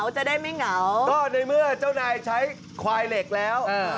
จะได้ไม่เหงาก็ในเมื่อเจ้านายใช้ควายเหล็กแล้ว